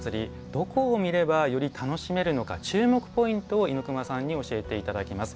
どこを見ればより楽しめるのか注目ポイントを猪熊さんに教えていただきます。